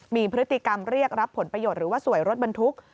มีพฤติกรรมเรียกรับผลประโยชน์หรือว่าสวยรถบรรทุก